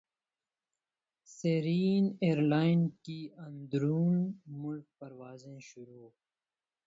سیرین airline کی اندرون ملک پروازیں شروع